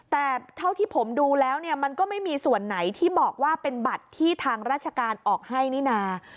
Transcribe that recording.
แต่เท่าที่ผมดูแล้วเนี่ยมันก็ไม่มีส่วนไหนที่บอกว่าเป็นบัตรที่ทางราชการออกให้นี่นา